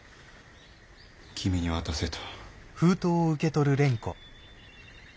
君に渡せと。